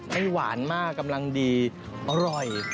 ให้หวานมากกำลังดีอร่อย